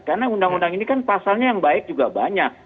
karena undang undang ini kan pasalnya yang baik juga banyak